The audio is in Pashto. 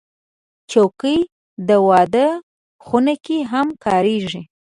چوکۍ د واده خونه کې هم کارېږي.